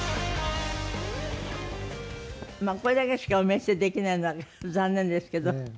まあこれだけしかお見せできないのは残念ですけど。